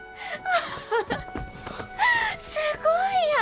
すごいやん！